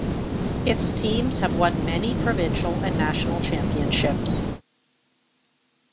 Its teams have won many provincial and national championships.